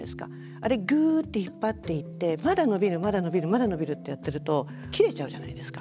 あれグーッて引っ張っていってまだ伸びるまだ伸びるまだ伸びるってやってると切れちゃうじゃないですか。